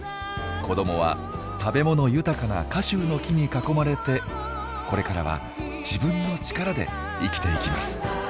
子どもは食べ物豊かなカシューノキに囲まれてこれからは自分の力で生きていきます。